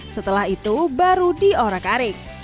setelah itu baru diorak arik